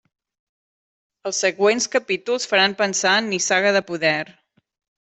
Els següents capítols faran pensar en Nissaga de poder.